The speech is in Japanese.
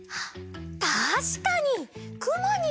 たしかに！